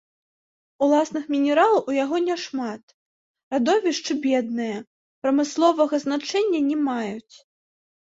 Уласных мінералаў у яго няшмат, радовішчы бедныя, прамысловага значэння не маюць.